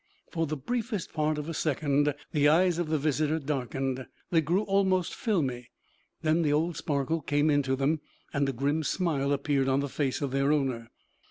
For the briefest part of a second the eyes of the visitor darkened. They grew almost filmy, then the old sparkle came into them and a grim smile appeared on the face of their owner.